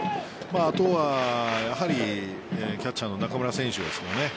あとはやはりキャッチャーの中村選手ですかね。